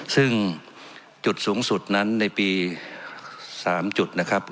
ซึ่งจุดสูงสุดนั้นในปี๓จุดนะครับ